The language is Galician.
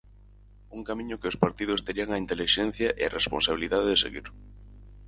Un camiño que os partidos terían a intelixencia e a responsabilidade de seguir.